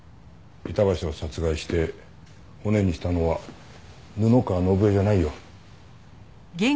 板橋を殺害して骨にしたのは布川伸恵じゃないよ。